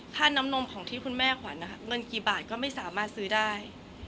น้ำนมของที่คุณแม่ขวัญเงินกี่บาทก็ไม่สามารถซื้อได้